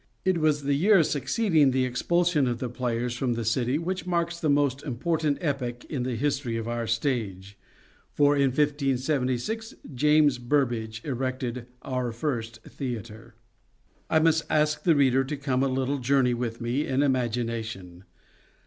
It was the year succeeding the expulsion of the players from the City which marks the most important epoch in the history of our stage, for in 1576 James Burbage erected our first theatre. I must ask the reader to come a little journey SHAKESPEAREAN THEATRES 3 with me in imagination.